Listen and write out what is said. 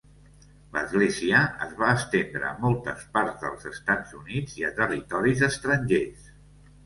L'església es va estendre a moltes parts dels Estats Units i a territoris estrangers.